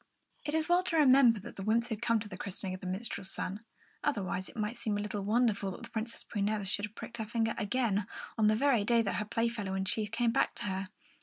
It is well to remember that the wymps had come to the christening of the minstrel's son; otherwise it might seem a little wonderful that the Princess Prunella should have pricked her finger again, on the very day that her Playfellow in chief came back to her.